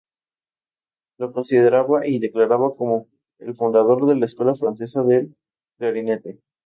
Lo consideraba y declaraba como el fundador de la Escuela francesa del clarinete.